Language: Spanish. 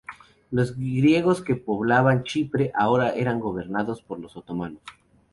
Los griegos que poblaban Chipre ahora eran gobernados por los otomanos.